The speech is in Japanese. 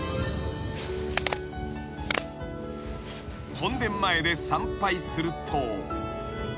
［本殿前で参拝すると］